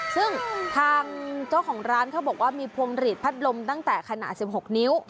ซึ่งทางเจ้าของร้านเขาบอกว่ามีพวงหลีดพัดลมตั้งแต่ขนาด๑๖นิ้ว